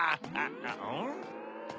ん？